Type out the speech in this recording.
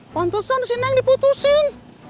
pantesan si neng diputusin